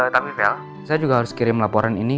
tapi saya juga harus kirim laporan ini